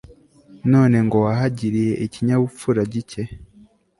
none ngo wahagiriye ikinyabupfura gike